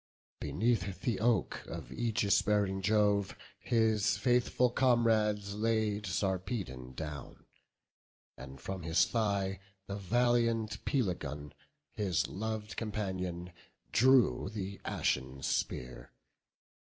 Beneath the oak of aegis bearing Jove His faithful comrades laid Sarpedon down, And from his thigh the valiant Pelagon, His lov'd companion, drew the ashen spear.